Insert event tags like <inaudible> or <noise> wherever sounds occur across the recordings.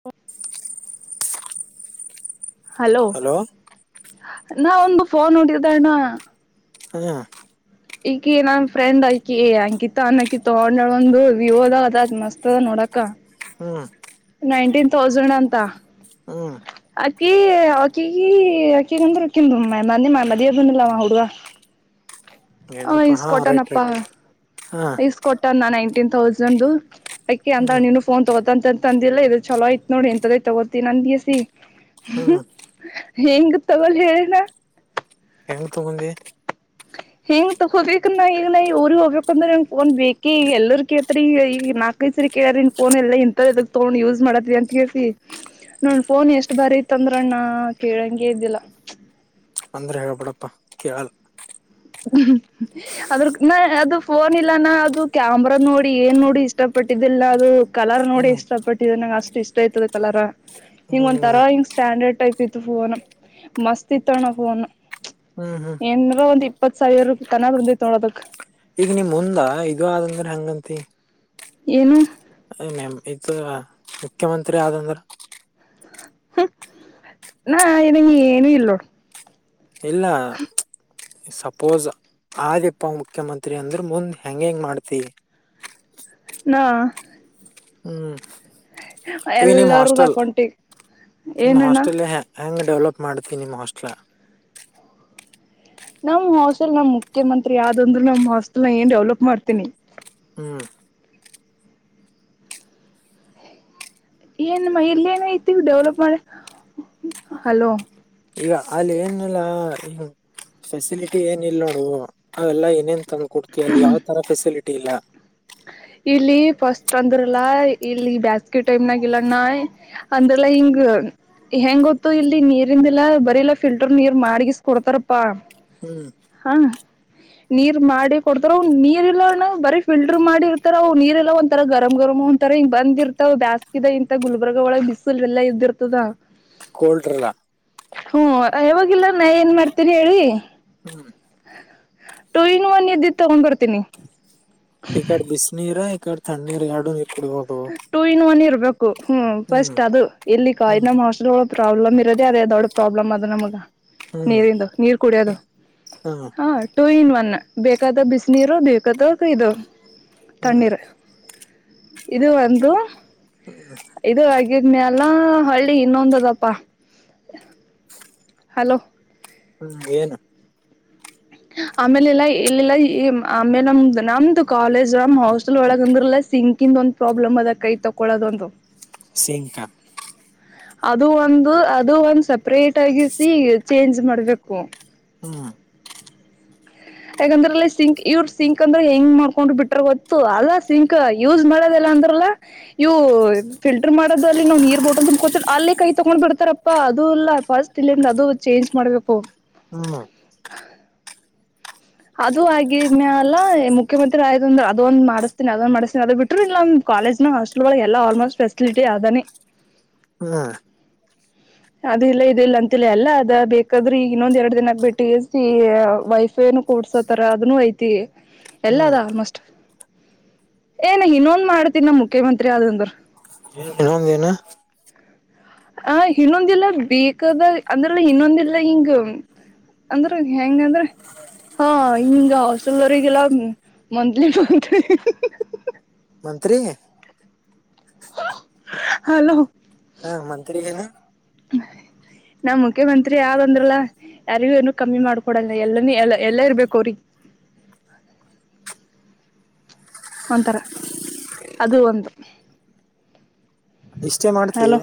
<inaudible> Hello ನಾ ಒಂದು phone ನೋಡಿದ ಅಣ್ಣಾ ಹಾ ಈಕಿ ನನ್ ಫ್ರೆಂಡ್ ಆಯಕಿ ಅಂಕಿತಾ ಅನ್ನಕಿ ತಗೊಂಡ ಒಂದು ವ್ಯೂ ಅದ ಅದ ಅದ್ ಮಸ್ತ್ ಅದ ನೋಡಕ ಹ್ಮ್ ನೈನ್ ಟೀನ್ ತೌಸಂಡ್ ಅಂತ ಹಾ ಕ ಕ ಮ ಬದಿಯ ಬಂದು ಲಾವ ಹುಡುಗ <unintelligible> ಹ ಏನಪ್ಪಾ ಇಸ್ಕ ಹಾ ರೈಟ್ ಕೊಟ್ಟನಪ್ಪಾ ರೈಟ್ ಹಾ ಇಸ್ಕ ಕೊಟ್ಟನ್ ನಾನು ನಾಇಂಟೀನ್ ಥೌಸಂಡ್ ದೂ ಅಕ ಅಂತ ಹ್ಮ್ ನೀನು ಫೋನ್ ತಗೋಂತ ತಂದೆಲ್ಲ ಇದು ಚಲೋ ಆಯ್ ನೋಡಿ ಎಂತದೈ ತಗೋತಿ ನನ್ ದ ಎಸಿ ಹ ಹೆಂಗ ತಗೊಲ್ ಹೇಳನಾ ಹೆಂಗ್ ತಗಂದಿ ಹೆಂಗ ತಗೋಬೇಕ ನ ಈಗ ನ ಇಊ್ರಿಗೆ ಹೋಗಬೇಕ ಅಂದ್ರೆಂಗ ಫೋನ್ ಬೇಕಿ ಎಲ್ಲರ ಕೇತ್ರಿ ಈಗ ನಾಲ್ಕೈಸ ಕೇಳಾರನ್ ಫೋನ್ ಎಲ್ಲ ಇಂತ ಇದಕ್ ತಗೊಂಡ್ ಯೂಸ್ ಮಾಡತ್ವಿ ಅಂತ ಕೇಳಸಿ ನೋ ಫೋನ್ ಎಷ್ಟ್ ಬಾರಿ ಇತ್ತಂದ್ರಣ ಕೇಳಂಂಗಗೆ ಇದಿಲ್ಲ ಅಂದ್ರೆ ಹೇಳ್ಬಿಡಪ್ಪಾ ಕೇಳಲ್ಲ ಅದ್ರ ನ ಅದು ಫೋನ್ ಇಲ್ಲಾನ ಅದು ಕ್ಯಾಮ್ರಾ ನೋಡಿ ಏನ್ ನೋಡಿ ಇಷ್ಟಪಟ್ಟಿದ್ದ ಿಲ್ಲ ಅದು ಕಲರ್ ನೋಡಿ ಹ್ಮ್ ಇಷ್ಟ ಪಟ್ಟಿದೆ ನಂಗೆ ಅಷ್ಟು ಇಷ್ಟ ಆಯತದೆ ಕಲರ್ ಹಿಂಗ ಒಂದ ಹ್ಮ್ ತರಾ ಹಿಂಗ್ ಸ್ಟ್ಯಾಂಡರ್ಡ್ ಟೈಪ್ ಇತ್ತು ಫೋನ್ ಮಸ್ತ್ ಇತ್ತ ಅಣ್ಣ ಫೋನ್ ಹ್ಮ್ ಹ್ಮ್ ಏನರ ಒಂದ್ ಇಪ್ಪತ್ ಸಾವಿರ ರಪಿ ಕನ ಬಂದೈತ್ ನೋಡೋದಕ್ ಈಗ ನಿಮ ಮುಂದ ಇದು ಆದಂಗ್ರ ಹಂಗಂತಿ ಏನು ಮಮ ಇದು ಮುಖ್ಯಮಂತ್ರಿ ಆದಂದ್ರ ನಾ ಇದಗೆ ಏನೂ ಇಲ್ಲೋ ಇಲ್ಲ ಸಪೋಸ್ ಆದಿಪ್ಪ ಮುಖ್ಯಮಂತ್ರಿ ಅಂದ್ರ ಮುಂದ್ ಹೆಂಗ ಹೆಂಗ್ ಮಾಡ್ತಿವಿ <unintelligible> ನಾ ಹ್ಮ್ ಈ ನಿಮ್ ಎಲ್ಲರದ ಹಾಸ್ಟೆಲ್ ಅಕೌಂಟಿಗೆ ನಿಮ್ ಏನಣ್ಣ ಹಾಸ್ಟೆಲ್ ಹೆಂಗ ಡೆವಲಪ್ ಮಾಡ್ತೀನಿ ಮಸ್ಟ್ಲ ನಮ್ ಹಾಸ್ಟೆಲ್ ನಮ್ ಮುಖ್ಯಮಂತ್ರಿ ಯಾವ್ದಂದ್ರು ನಮ್ ಹಾಸ್ಟೆಲ್ ನ ಏನ್ ಡೆವಲಪ್ ಮಾಡ್ತೀನಿ ಹ್ಮ್ ಏನ್ಮ್ಮ ಇಲ್ಲ ಏನಐತಿ ಡೆವಲಪ್ ಮಾಡಿ ಹಲೋ ಈಗ ಅಲ್ಲಿ ಏನಲ್ಲ ಫೆಸಿಲಿಟಿ ಏನ್ ಇಲ್ ನೋಡುವ ಅವೆಲ್ಲಾ ಏನೇನ್ ತಂದ ಕೊಡ್ತಿವಿ ಅಲ್ಲಿ ಯಾವ ತರ ಫೆಸಿಲಿಟಿ ಇಲ್ಲ ಇಲ್ಲಿ ಫಸ್ಟ್ ಅಂದ್ರಲ್ಲ ಇಲ್ಲಿ ಬ್ಯಾಸ್ಗಿ ಟೈಮ್ನಾಗ ಇಲ್ಲಾನ ಅಂದ್ರಲ್ಲಾ ಹಿಂಗ ಹೆಂಗ ಗೊತ್ತು ಇಲ್ಲಿ ನೀರಿಿಂದಲ್ಲಾ ಬರಿಲ್ಲಾ ಫಿಲ್ಟರ್ ನೀರ್ ಮಾಡಗಿಸ ಕೊಡ್ತಾರಪ್ಪಾ ಹ್ಮ್ ಹಾ ನೀರ್ ಮಾಡಿ ಕೊಡ್ತ್ರ ಅವ ನೀರ್ ಇಲ್ಲ ಬರಿೀಫಲ್ ಮಾಡಿರ್ತವು ನೀರ್ ಎಲ್ಲ ಒಂರ ಗರಂ ಗರ್ ಒಂಂತರಂಗ ಬಂದಿರ್ತಾವ ಬಸ್ಕಿದ ಇಂತ ಗುಲ್ಬರ್ಗ ಒಳಗ್ ಬ್ ಲ್ಲ ಎದುರ್ತದಾ ಕೂಟ್ರಿಲ್ಲ ಹ್ಮ್ ಯಾವವಾಗಿಲ್ಲ ನಾ ಏನ್ ಮಾಡ್ತೀನಿ ಹೇಳಿ ಹ್ಮ್ ಟೂ ಇನ್ ಒನ್ ಇದ್ದು ತಗೊಂಡ್ ಬರ್ತವಿ ಇ ಕಡೆ ಬಿಸ್ಣೀರ ಈಕಡೆ ಥ್ಣೀರು ಹಡು ಇ ಟೂ ಇನ್ ಒನ್ ಇರ್ಬೇಕು ಹ್ಮ್ ಫಸ್ಟ್ ಅದು ಎಲ್ಲಿ ಕಾಯಿ ಹ್ಮ್ ನಮ್ಮ ಹಸ್ಳ ಪ್ರಾಬ್ಲಮ್ ಇರೋದೆ ಅದೇ ದೊಡ್ಡ ಪ್ರಾಬ್ಲ್ ಅ ನಮಗೆ ಹ್ಮ್ ನೀರಿಂದು ನೀರ್ ಕುಡಿಯದು ಹ್ಮ್ ಹಾ ಟೂ ಇನ್ ಒನ್ ಬೇಕಾದ ಬಿಸಿನೀರು ಬೇಕಾದ ಕೈದು ಹ್ಮ್ ಇದು ಒಂದು ಹ್ಮ್ ಹಗಿದ್ಮೆ ಎಲ್ಲಾ ಹಳ್ಳಿ ಇನ್ನೊಂದದಪ್ಪಾ ಹಲೋ ಹ್ಮ್ ಏನು ಆಮೇಲೆ ಎಲ್ಲಾ ಇಲ್ಲಲ್ಲಾ ಆಮೇಲೆ ನಮ್ದ ನಮ್ದು ಕಾಲೇಜ್ ನಮ್ ಹಾಸ್ಟೆಲ್ ಒಳಗ ಅಂದ್ರಲ್ಲ ಸಿಂಕಿಂದು ಒಂದು ಪ್ರಾಬ್ಲಮ್ ಅದ ಕೈ ತೊಕೊಳ್ಳಳೋದ ಒಂದು ಸಿಂಕ ಅದು ಒಂದು ಅದು ಒಂದು ಸಪ್ರೇಟ್ ಆಗಿಸಿ ಚೇಂಜ್ ಮಾಡ್ಬೇಕು ಹ್ಮ <inaudible> ಯಾಕಂದ್ರಲ್ಲಿ ಸಿಂಕ್ ಇವ್ರ ಸಿಂಕ್ ಅಂದ್ರೆ ಹೆಂಗ ಮಾಡ್ಕೊಂಡ್ ಬಿಟ್ರ ಗೊತ್ತು ಅಲ್ಲ ಸಿಂಕ್ ಯೂಸ್ ಮಾಡದಲ್ಲ ಅಂದ್ರೆ ಇವು ಫಿಲ್ಟರ್ ಮಾಡೋಲ್ಲಿ ನವು ನೀರ ಬೋಟಲ್ ತುಂಬಕತವಿ ಅಲ್ಲಿ ಕೈ ತಕ್ಕೊಂಡು ಬಿಡ್ತಾರಪ್ಪಾ ಅದು ಇಲ್ಲ ಫಸ್ಟ್ ಇಲ್ಲಿಂದ ಅದು ಚೇಂಜ್ ಮಾಡ್ಬೇಕು. ಹ್ಮ ಅದು ಆಗಿದ್ಯ ಅಲ್ಲ ಮುಖ್ಯಮಂತ್ರಿ ಆಯ ಅಂದ್ರ ಅದೊಂದ್ ಮಾಡಿಸ್ತನಿ ಅದೊಂದ ಮಾಡಿಸ್ತನಿ ಅದ್ ಬಿಟ್ರರು ಇಲ್ಲ ಕಾಲೇಜ್ ನ ಹಾಸ್ಟಲ್ ಳ ಎಲ್ಲ ಆಲ್ಮೋಸ್ಟ ಪೆಸಿಲಿಟಿ ಅದನಿ ಹಾ ಅದ ಇಲ್ಲ ಇದ ಇಲ್ಲ ಅಂತಿಲ್ಲ ಎಲ್ಲ ಅದ ಬೇಕಾದ್ರೆ ಈಗ ಇನ್ನೊಂದ ಎರಡ ದಿನಕ ಬಿಟ್ಟು ವೈ ಫೈ ನು ಕೋಡ್ಸೋತರ ಅದನುೂ ಐತಿ ಎಲ್ಲ ಅದ ಹ್ಮ್ ಆಲ್ಮೋಸ್ಟ್ ಏನ್ ಇನ್ನೊಂದ ಮಾಡ್ತನ ನಮ ಮುಖ್ಯಮಂತ್ರಿ ಆದಂದ್ರ. ಇನ್ನೊಂದು ಏನೂ ಆ ಇನ್ನೊಂದಲ್ಲ ಬೇಕಾದ ಅಂದ್ರೆಲ್ಲ ಇನ್ನೊಂದಲ್ಲ ಹಿಂಗ ಅಂದ್ರ ಹೆಂಗಂದ್ರ ಹಾ ಹಿಂಗ ಹಾಸ್ಟೆಲ ದವರಿಗಿ ಎಲ್ಲ ಮಂತ್ಲಿ ಮಂತ್ಲಿ ಮಂತ್ರಿ ಹಲೋ ಹಾ ಮಂತ್ರಿ ಏನ ನಾ ಮುಖ್ಯಮಂತ್ರಿ ಆಗ ಅಂದ್ರಲ್ಲ ಯಾರಿಗೂ ಏನು ಕಮ್ಮಿ ಮಾಡ್ಕೊಡಲ್ಲ ಎಲ್ಲನು ಎಲ್ಲ ಇರ್ಬೇಕು ಅವ್ರಿಗೆ <inaudible> ಒಂಥರ ಅದು ಒಂದು ಇಷ್ಟೇ ಮಾಡ್ತಿ ಹಲೋ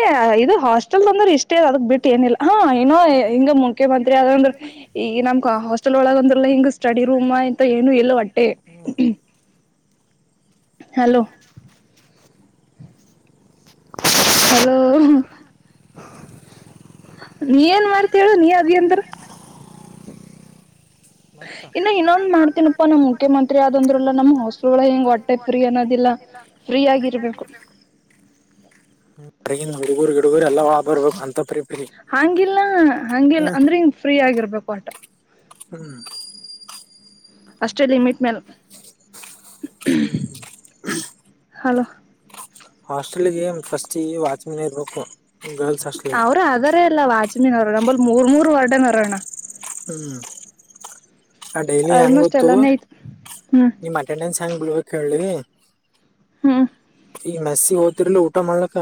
ಏ ಇದು ಹಾಸ್ಟೆಲ್ದ ಅಂದ್ರೆ ಇಷ್ಟೇ ಅ ಅದಕ್ ಬಿಟ್ಟು ಏನಿಲ್ಲ ಹಾ ಏನೋ ಹಿಂಗ ಮುಖ್ಯಮಂತ್ರಿ ಆದಂದ್ರ. ಈ ನಮ್ ಕ ಹಾಸ್ಟೆಲ್ ಒಳಗ ಅಂದ್ರಲ್ಲ ಹಿಂಗ ಸ್ಟಡಿ ರೂಮ್ ಇಂತ ಏನು ಎಲ್ಲ ಒಟ್ಟೆ ಹು ಹಲೋ ಹಲೋ ನೀ ಏನ್ ಮಾಡ್ತಿ ಹೇಳು ನಿ ಅದಿ ಅಂದ್ರ ಮತ್ತೆ ಇನ್ನು ಇನ್ನೊಂದ್ ಮಾಡ್ತನಪ್ಪಾ ನಮ ಮುಖ್ಯಮಂತ್ರಿ ಆದಂದ್ರಲ್ಲ ನಮ್ಮ್ ಹ ಹೊಸ್ಟೆಲ್ಗಳ ಹೆಂಗ್ ವಟ್ಟೆ ಫ್ರೀ ಅನ್ನೋದಿಲ್ಲ. ಫ್ರೀ ಆಗಿರ್ಬೇಕು ಟ್ರೈನ್ ಹುಡುಗರು ಗಿಡಗುರು ಎಲ್ಲಾ ಒಳ ಬರ್ಬೇಕು ಅಂತ ಫ್ರೀ ಫ್ರೀ ಎಲ್ಲ ಹಂಗಿಲ ಅಂದ್ರೆ ಹಿಂಗ್ ಫ್ರೀ ಆಗಿರ್ಬೇಕು ಆಟ ಹ್ಮ್ ಅಷ್ಟೇ ಲಿಮಿಟ್ ಮ್ಯಾಲೆ ಹ್ಮ್ ಹಲೋ ಹಾಸ್ಟೆಲ್ಗೆ ಫಸ್ಟ್ಗೆ ವಾಚ್ಮನ್ ಇರ್ಬೇಕು. ಗರ್ಲ್ಸ್ ಹಾಸ್ಟೆಲ್ಗೆ ಅವ್ರ ಅದಾರ ಎಲ್ಲ ವಾಚ್ ಮ್ಯಾನ್ ನಂಬಲಿ ಮೂರ್ ಮೂರ್ ವರ್ಡನ ಹಾರ ಅಣ್ಣಾ ಹ್ಮ್ ಆ ಡೈಲಿ ಹೆಂಗ ಆಲ್ಮೋಸ್ಟ್ ಗೊತ್ತು ಎಲ್ಲಾನೇ ಐತ್ ಹ್ಮ್ ನಿಮ್ ಅಟೆಂಡೆನ್ಸ್ ಹೆಂಗ್ ಬಿಳಬೇಕ ಹೇಳಿ ಹ್ಮ್ ಈ ಮೆಸ್ಸಿಗೆ ಓತಿರ್ಲ ಊಟ ಮಾಡ್ಲಕ್ಕ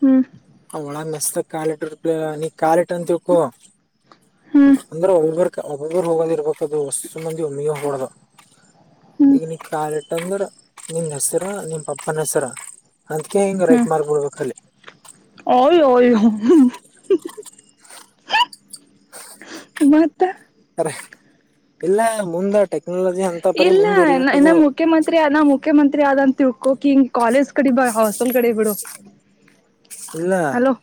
ಹ್ಮ್ ಅವ ಅವಳ ಮೆಸ್ ಕಾಲಿಟ್ಟ ಕಾಲಿಟ್ಟಂತಕ್ಕು ಹ್ಮ್ ಅಂದ್ರೆ ಒಬರು ಒಬ್ರು ಹೋಗದ ಇರ್ಬೇಕ ಅದು ಹೊಸ ಮಂದಿ ಒಮ್ಮಿಗೆ ಹೋಗಬಾರ್ದ ಹ್ಮ್ ಈಗ ನೀ ಕಾಲಿಟ್ಟ ತಂದ ಇಡ ನಿನ್ ಹೆಸರ ನಿಮ್ ಪಪ್ಪನ್ ಹೆಸರ ಅತ್ಕ ಹಿಂಗ ರೈಟ್ ಮಾರ್ಕ್ ಬಿಡ್ಬೇಕಲ್ಲಿ ಓಯ ಓಯ ಮತ್ತ ಇಲ್ಲ ಮುಂದ ಟೆಕ್ನಾಲಜಿ ಅಂತ ಪರಿ ಇಲ್ಲ ಇ ನ ಮುಂದುವರಿಬೇಕದು ಮುಖ್ಯಮಂತ್ರಿ ನಾ ಮುಖ್ಯಮಂತ್ರಿ ಆದಂತ ತಿಳ್ಕೋಕಿಂಗ್ ಕಾಲೇಜ್ ಕಡೆ ಬ ಹಾಸ್ಟೆಲ್ ಕಡೆ ಬಿಡು ಇಲ್ಲ ಹಲೋ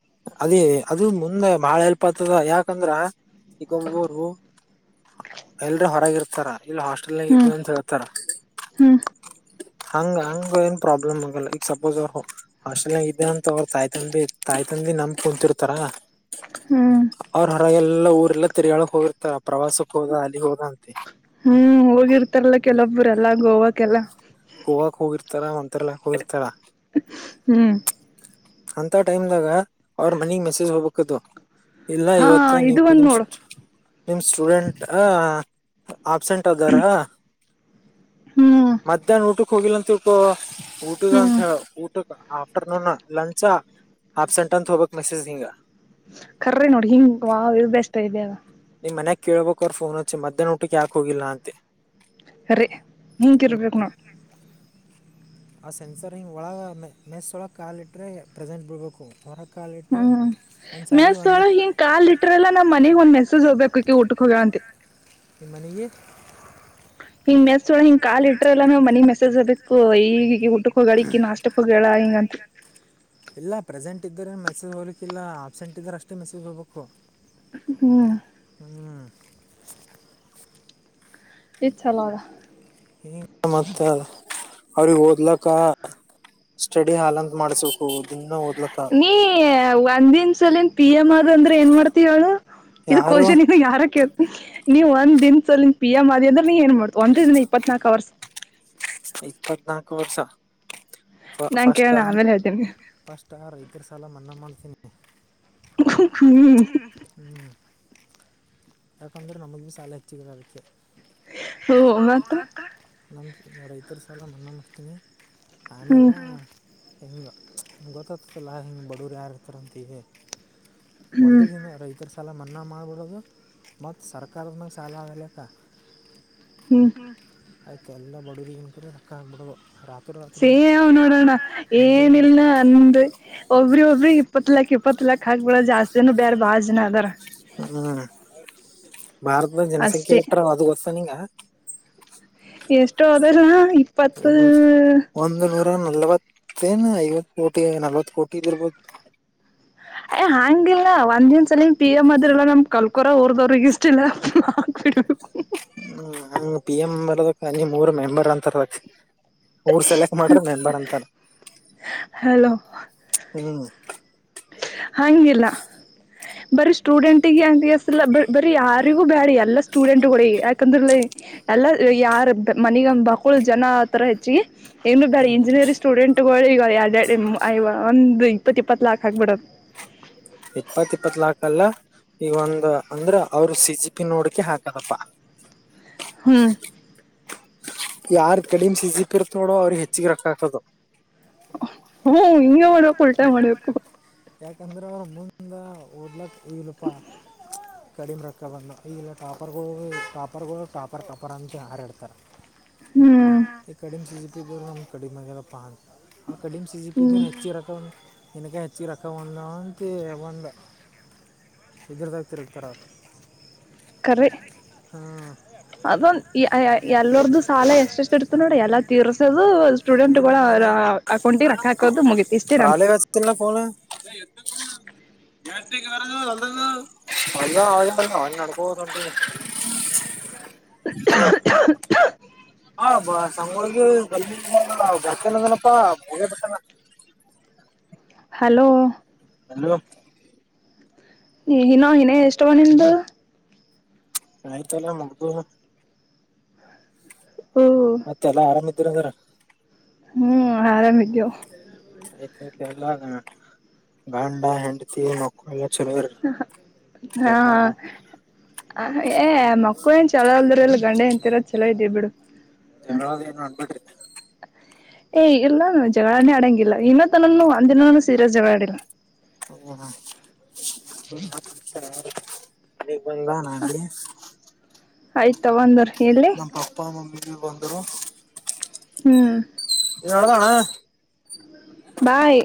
ಅದ ಅದು ಮುಂದೆ ಬಾಳ ಎಲ್ಪ್ ಆತದ ಯಾಕಂದ್ರ ಈ <unintelligible> ಗೊರು ಎಲ್ರ ಹೊರಗಿರ್ತಾರ ಇಲ್ಲಿ ಹಾಸ್ಟೆಲ್ ನಾಗ ಹ್ಮ್ ಇದ್ವಿ ಅಂತ ಹೇಳ್ತಾರ ಹ್ಮ್ ಹಂಗ ಹಂಗ ಏನ್ ಪ್ರಾಬ್ಲಮ್ ಲ್ಲ ಈಗ ಸಪೋಸ್ ಹಾಸ್ಟೆಲ್ ನಾಗ ಇದ್ದ ಅಂತ ಅವ್ರ ತಾಯ್ತಂದಿ ತಾಯ್ತಂದಿ ನಂಬಿ ಕುಂತಿರ್ತಾರ ಹ್ಮ್ ಏಲ್ಲ ಊರೆಲ್ಲ ತಿರಿಗಾಳಕ್ ಹೋಗಿರ್ತಾರ ಪ್ರವಾಸಕ್ ಹೋಗ ಅಲ್ಲಿ ಹೋಗ ಹ್ಮ್ ಹೋಗಿರ್ತಾರಲ್ಲ ಕೆಲವೊಬ್ಬ್ರ ಎಲ್ಲ ಗೋವಾಕ್ಕೆಲ್ಲ ಇರ್ತರ ಒಂತ <unintelligible> ಇರ್ತಾರ ಹ್ ಅಂತ ಟೈಮ್ ದಾಗ ಅವ್ರ ಮನಿಗ್ ಮೆಸೇಜ್ ಹೋಗ್ಬೇಕದು ಇಲ್ಲ ಹಾ ಇವತ್ತು ನಿಮ ಇದು ಒಂದ್ ನಿಮ್ ನೋಡು ನಿಮ್ ಸ್ಟೂಡೆಂಟ್ ಅ ಆಬ್ಸೆಂಟ್ ಆದದಾರ ಹ್ಮ್ ಮಧ್ಯಾಹ್ನ ಊಟಕ್ ಹೋಗಿಲ್ಲ ಅಂತಿಳ್ಕು ಊಟಗ ಅಂತ ಹ್ಮ್ ಊಟಕ ಆಫ್ಟರ್ನೂನ್ ಲಂಚ ಹಪ್ಸೆಂಟಂತ ಹೋಗುತ್ತೆ ಮೆಸೇಜ ನಿಂಗ ಕರ್ರಿ ನೋಡಿ ಹಿಂಗ್ ವಾವ್ ಬೆಸ್ಟ್ ಐಡಿಯಾ ಇದಲ್ಲ ಮನ್ಯಕ್ ಕೇಳ್ಬೇಕ ಅವ್ರ ಫೋನ್ ಹಚ್ಚಿ ಮಧ್ಯಾನ ಊಟಕ್ಕೆ ಯಾಕ್ ಹೋಗಿಲ್ಲ ಅಂತೆ <unintelligible> ನಿಂಕಿರಬೇಕು ನೋಡು ಆ ಸೆನ್ಸರ್ ಹಿಂಗ್ ಒಳ ಮೆಸ್ ಒಳಗ್ ಕಾಲಿಟ್ರೆ ಪ್ರೆಸೆಂಟ್ ಬಿಡ್ಬೇಕು ಹೊರ ಹ್ಮ್ ಮೆಸ್ನೊಳಗ್ ಹಿಂಗ್ ಕಾ ಇಟ್ರಲ್ಲಾ ನಮ್ ಮನೆಗ್ ಒಂದ್ ಮೆಸೇಜ್ ಹೋಗ್ಬೇಕು ಈಕೆ ಊಟಕ್ ಹೋಗ್ಯಳಂತಿ ನಿನಗೆ ಹಿಂಗ ಮೆಸ್ನೊಳಿಗೆ ಹಿಂಗ್ ಕಾಲ್ ಇಟ್ಟ್ರ ಎಲ್ಲ ನಮ್ ಮನಿಗೆ ಮೆಸೇಜ್ ಹೋಗ್ಬೇಕು ಈಗ <unintelligible> ಗಳಿಕಿ ನಾಷ್ಟಕ್ಕ ಹೇಳ ಹಿಂಗಂತ ಇಲ್ಲ ಪ್ರೆಸೆಂಟ್ ಇದ್ದರೆ ಮೆಸೇಜ್ ಹೋಗ್ಲಿಕ್ಕಿಲ್ಲ ಆಬ್ಸೆಂಟ್ ಇದ್ದಾರೆ ಅಷ್ಟೇ ಮೆಸೇಜ್ ಹೋಗ್ಬೇಕು ಹ್ಮ್ ಹ್ಮ್ ಇದ್ ಚಲೋಅದ ಇಗ ಮತ್ತ ಅವ್ರಿಗೆ ಓದ್ಲಕ್ಕ ಸ್ಟಡಿ ಹಾಲ್ ಅಂತ ಮಾಡ್ಸು ನೀ ಒಂದಿನ್ ಸಲಿನ್ ಪಿ ಎಮ್ ಆಗ ಅಂದ್ರೆ ಏನ್ ಮಾಡ್ತಹೇಳು ಇದು ಯಾರು ಕ್ವೆಷನ್ ನೀನ್ನ ಯಾರೇ ನೀವ್ ಒಂದಿನ್ ಸಲ ಪಿ ಎಂ ಆದಿ ಅನ್ರ ನೀ ಏನ್ ಮಾಡ್ತವ ಒಂದ ದಿನ ಇಪ್ಪತ್ನಾಲ್ಕು ವರ್ಷ ಇಪ್ಪತ್ನಾಲ್ಕು ವರ್ಷ ನಾನ್ ಫಸ್ಟ್ ಕೇಳಣ ಆಮೇಲೆ ಹೇಳ್ತೀನಿ ಅ ರೈತರ ಸಾಲ ಮನ್ನಾ ಮಾಡ್ತೀನಿ ಹ್ಮ ಹ್ಮ್ ಹ್ಮ್ ಯಾಕಂದ್ರೆ ನಮಗೆ ಈ ಸಾಲ ಹೆಚ್ಚಿಗೆದಾಗುತ್ತೆ ಹೂ ಮತ್ತ ನಮ್ಮ ರೈತರು ಸಾಲ ಮನ್ನ ಮಾಡಿಸ್ತೀನಿ ಹ್ಮ್ ಆಮೇಲೆ ಹಿಂಗ ಗೊತ್ತತ್ತಲ್ಲ ಹಿಂಗೆ ಬಡವರು ಯಾರು ಇರ್ತಾರಂತಿ ಹ್ಮ್ ಒಂದೇ ದಿನ ರೈತರ್ ಸಾಲ ಮನ್ನಾ ಮಾಡ್ಬಿರೋದು ಮತ್ತು ಸರ್ಕಾರದ ಮೇಲೆ ಸಾಲ <unintelligible> ಹ್ಮ್ ಹ್ಮ ಆಯ್ತು ಎಲ್ಲ <unintelligible> ರಕ್ಕ <unintelligible> ರಾತ್ ಸೇವ್ ನೋಡೋಣ ಏನಿಲ್ಲಾ ಅಂದ ಒಬ್ರಿ ಒಬ್ರ ಇಪ್ಪತ್ ಲಾಕ್ ಇಪ್ಪ <unintelligible> ಇಪ್ಪತ್ ಲಕ್ ಹಾಕ್ಬಳ ಜಾಸ್ತಿ ನು ಬೇರೆ ಬಾಹಳ ಜನ ಅದರ ಹ್ಮ್ ಭಾರತದ ಜನಸಂಖ್ಯೆ ಅಷ್ಟೇ <unintelligible> ಅದು ಗೊತ್ತಾ ನಿಂಗ ಎಷ್ಟೋ ಹದಲ್ಲ ಇಪ್ಪತ್ತು ನಲ್ವತ್ತ ಏನ್ ಐವತ್ ಕೋಟಿ ನಲ್ವತ್ ಕೋಟಿ ಬರ್ಬೋದು ಹಾಂಗಿಲ್ಲ ಒಂದ ದಿನ ಸಲ ಪಿ ಎಂ ಅದ್ರಿಯಲ್ಲ ನಮ್ ಕಲ್ಕೊರ ಊರ್ದವ್ರರು ಇಷ್ಟಿಲ್ಲ ಪಾ <unintelligible> ನಾನ್ ಪಿ ಎಂ ಬರ್ಬೇಕು ಅಲ್ಲಿ ಮೂರ್ ಮೆಂಬರ್ ಅಂತರ್ದಕ್ ಊರ್ ಸೆಲೆಕ್ಟ್ ಮಾಡ್ರ ಮೆಂಬರ್ ಅಂತರ ಹಲೋ ನಿಮ್ ಹಂಗಿಲ್ಲ ಬರಿ ಸ್ಟೂಡೆಂಟಿಗಾ <unintelligible> ಸಲ್ಲ ಬರಿ ಯಾರಿಗೂ ಬ್ಯಾರೆ ಅಲ್ಲ ಎಲ್ಲ ಸ್ಟೂಡೆಂಟ್ ಗೋಳ ಯಾಕೆಂದಲ್ಲಾ ಎಲ್ಲಾ ಯಾರ ಮನಿಗಂದ ಬಕ್ಕಳ ಜನ ಆತರ ಹೆಚ್ಚಿಗೆ ಏನ್ ಬೇಡ ಹ್ಮ್ ಇಂಜಿನಿಯರಿಂಗ್ ಸ್ಟೂಡೆಂಟ್ಗಳು ಈಗ ಎರಡೆಡುಯವ ಒಂದಂದು ಇಪ್ಪತ್ ಇಪ್ಪತ್ತು ಲಾಕ್ ಹಾಕ್ಬಿಡದು ಇಪ್ಪತ್ ಇಪ್ಪತ್ ಲಾಕ್ ಅಲ್ಲಾ ಈ ಒಂದ ಅಂದ್ರ ಅವರು ಸಿಸಿಟಿವಿ ನೋಡ್ಕೆ ಹಾಕದಪ್ಪ ಹ್ಮ್ ಯಾರ ಕಡಿಮೆ ಸಿಸಿವಿ ಇರ್ತದೆ ನೋಡು ಅವ್ರ ಹೆಚ್ಚಗ ರೊಕ್ಕ ಹಾಕುದ ಹ್ಮ ಹಿಂಗೆ ಮಾಡಬೆಕ್ ಉಲ್ಟಾ ಮಾಡ್ಬೇಕು. ಯಾಕಂದ್ರೆ ಅವರು ಮುಂದೆ ಓದ ಲಾಕ್ ಐ ರೂಪಾ ಕಡಿಮೆ ರೊಕ್ಕ ಬಂದು ಈಗಲ್ಲ ಟಾಪರ್ಗಳು ಟಾಪರ್ಗಳು ಟಾಪರ್ ಟಾಪರ್ ಅಂತ ಹಾರ್ಯಾಡತಾರ. ಹ್ಮ್ ಹಾ ಕಡಿಮಿ ಸೀಜಮ್ಮ ಕಡಿಮ ವ ಪನ್ ಆ ಕಡಿಮ ಸಿ ಸಿ ಪಿ ಹ್ಮ್ ಬೆನ ಹೆಚ್ಚಚಿ ಇಕ್ಕೆ ಹೆಚ್ಚ ರೊಕ್ಕ ಒಂದಂತ ಒಂದ <unintelligible> ಕರೆ ಅದೊಂದ ಎಲ್ಲಾದ್ರೂ ಸಾಲ ಎಷ್ಟ ಎಷ್ಟ ಇರ್ತದ ನೋಡ್ರಿ ಎಲ್ಲ ಅಕೌಂಟಿಗೆ ರೊಕ್ಕ ಫೋನ್ ಹಾಕೋದು ಮುಗಿತಿ ಇಷ್ಟೇ ನಂದು <unintelligible> <unintelligible> <unintelligible> <inaudible> <unintelligible> <unintelligible> ಹಲೋ ಹಲೋ ಇನೋ ಇನೇ ಎಷ್ಟ ಅವು ನಿಂದು ಆಯ್ತಲ್ಲಾ ಮುಗದದ್ ಓ ಮತ್ತೆಲ್ಲಾ ಆರಾಮ್ ಇದೀರ ಹಂಗಾರ ಹ್ಮ್ ಆರಾಮಿದವ ಎಲ್ಲಾ ಗಂಡಾ, ಹೆಂಡತಿ, ಮಕ್ಕಳು, ಚಲೋ ಇರ್ರಿ ಹಾ ಜಗಳ ಅ ಏ ಮಕ್ಕಳು ಏನ್ ಚಲೋ ಅಲ್ದ್ರು ಎಲ್ಲ ಗಂಡಾ ಹೆಂಡ್ತಿ ರೋ ಚಲೋ ಇದೇವಿ ಬಿಡು <unintelligible> ಏನು ಅಂದಬಿಟ್ರ ಏನ್ ಇಲ್ಲಾನು ಜಗಳಾನೇ ಆಡಂಗಿಲ್ಲ ಇನ್ನುತ್ತನ್ ನಾನು ಒಂದಿನಾನು ಸೀರಿಯಸ್ ಜಗಳ ಆಡಿಲ್ಲ ಹ್ಮ ಆಯ್ತ <unintelligible> ಒಂದರ್ ಎಲ್ಲಿ <unintelligible> ಹ್ಮ್ <unintelligible> ಬಾಯ್